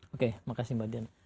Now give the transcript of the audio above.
oke makasih mbak dian